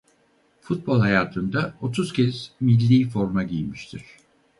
Futbol hayatında otuz kez millî forma giymiştir.